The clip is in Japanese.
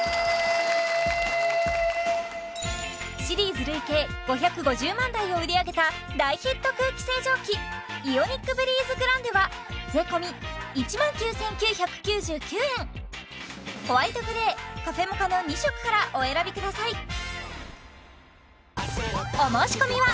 シリーズ累計５５０万台を売り上げた大ヒット空気清浄機イオニックブリーズグランデは税込１万９９９９円ホワイトグレーカフェモカの２色からお選びください